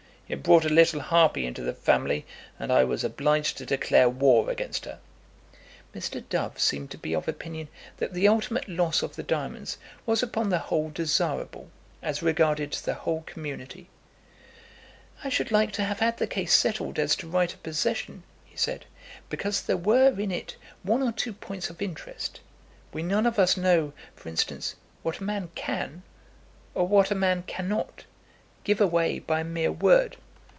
He had brought a little harpy into the family, and I was obliged to declare war against her." Mr. Dove seemed to be of opinion that the ultimate loss of the diamonds was upon the whole desirable, as regarded the whole community. "I should like to have had the case settled as to right of possession," he said, "because there were in it one or two points of interest. We none of us know, for instance, what a man can, or what a man cannot, give away by a mere word."